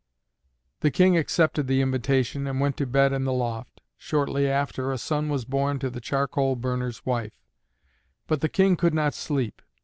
The King accepted the invitation and went to bed in the loft. Shortly after a son was born to the charcoal burner's wife. But the King could not sleep.